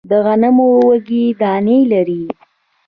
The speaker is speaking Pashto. د غنمو وږی دانې لري